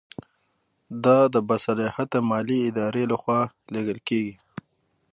دا د باصلاحیته مالي ادارې له خوا لیږل کیږي.